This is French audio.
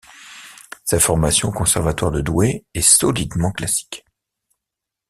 Sa formation au Conservatoire de Douai est solidement classique.